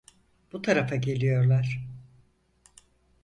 Bu tarafa geliyorlar.